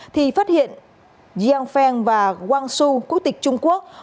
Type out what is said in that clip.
thì phát hiện yang feng và wang shu quốc tịch trung quốc